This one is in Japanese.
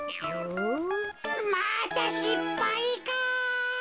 またしっぱいか。